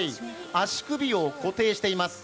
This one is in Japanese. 足首を固定しています。